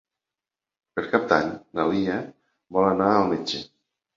Per Cap d'Any na Lea vol anar al metge.